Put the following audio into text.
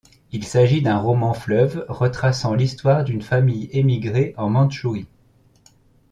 Il s'agit d'un roman fleuve retraçant l'histoire d'une famille émigrée en Mandchourie.